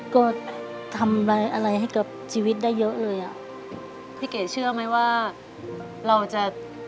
ก็ทำอะไรให้กับชีวิตได้เยอะเลยอ่ะ